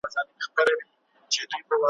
ازل مي مینه پر لمن د ارغوان کرلې ,